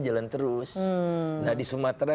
jalan terus nah di sumatera